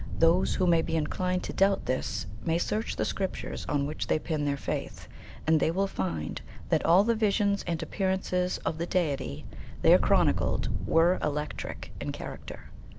Those who may be inclined to doubt this may search the Scriptures on which they pin their faith, and they will find that all the visions and appearances of the Deity there chronicled were electric in character.